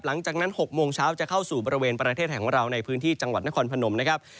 หลังจากนั้น๖โมงเช้าจะเข้าสู่บริเวณประเทศแห่งของเราในพื้นที่จังหวัดนครพนมนะครับ